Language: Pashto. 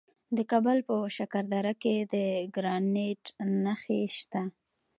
د کابل په شکردره کې د ګرانیټ نښې شته.